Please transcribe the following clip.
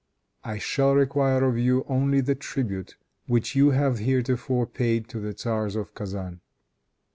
I shall require of you only the tribute which you have heretofore paid to the tzars of Kezan."